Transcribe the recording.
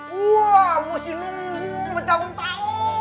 gue masih nunggu bertahun tahun